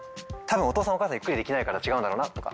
多分お父さんお母さんゆっくりできないから違うんだろうなとか。